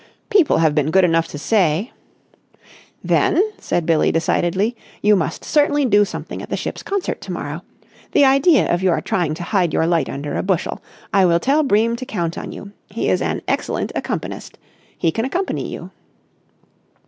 "People have been good enough to say...." "Then," said Billie decidedly, "you must certainly do something at the ship's concert to morrow! The idea of your trying to hide your light under a bushel! I will tell Bream to count on you. He is an excellent accompanist. He can accompany you."